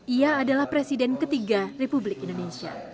ia adalah presiden ketiga republik indonesia